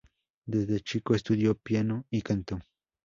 Desde chico estudió piano y canto.